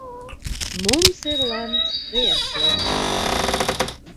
Mums ir lemts viens liktenis.